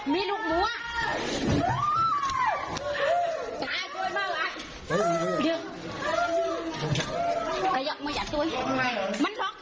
มันร้อกให้หน่อยพี่เอาให้หน่อยเร็ว